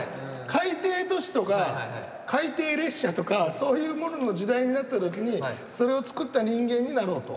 海底都市とか海底列車とかそういうものの時代になった時にそれを造った人間になろうと。